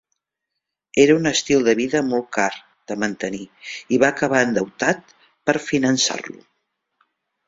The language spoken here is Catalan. Era un estil de vida molt car de mantenir i va acabar endeutat per finançar-lo.